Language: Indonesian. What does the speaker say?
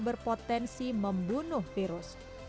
berpotensi membunuh virus